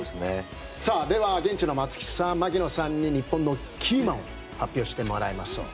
では現地の松木さん、槙野さんに日本のキーマンを発表してもらいましょう。